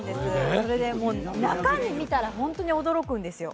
それで中身を見たら本当に驚くんですよ。